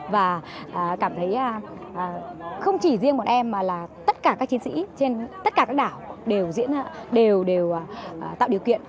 và cảm thấy không chỉ riêng bọn em mà là tất cả các chiến sĩ trên tất cả các đảo đều đều tạo điều kiện